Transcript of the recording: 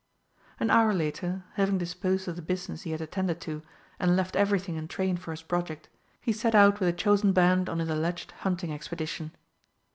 An hour later, having disposed of the business he had attended to and left everything in train for his project, he set out with a chosen band on his alleged hunting expedition.